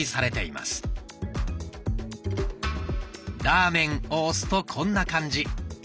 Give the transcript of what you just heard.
「ラーメン」を押すとこんな感じ。